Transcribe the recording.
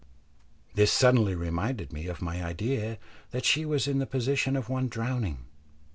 This suddenly reminded me of my idea that she was in the position of one drowning.